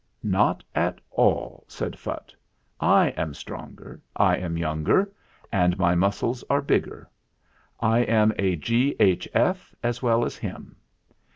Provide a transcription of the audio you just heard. "Not at all," said Phutt. "I am stronger, I am younger ; and my muscles are bigger. I am a G.H.F. as well as him.